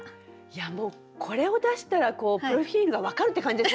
いやもうこれを出したらプロフィールが分かるって感じですね